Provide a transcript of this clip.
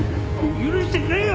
許してくれよ！